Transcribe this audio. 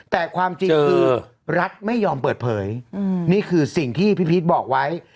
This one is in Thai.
แต่ความจริงคือรัฐไม่ยอมเปิดเผยนี่คือสิ่งที่พี่พีชบอกไว้